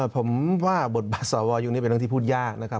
ผมว่าบทบาทสวยุคนี้เป็นเรื่องที่พูดยากนะครับ